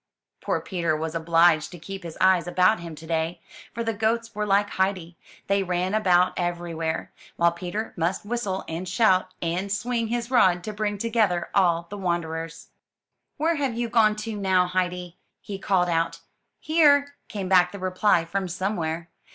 Poor Peter was obliged to keep his eyes about him to day; for the goats were like Heidi, they ran about everywhere, while Peter must whistle and shout and swing his rod to bring together all the wanderers. 279 MY BOOK HOUSE * Where have you gone to now, Heidi?" he called out. '*Here/' came back the reply from somewhere.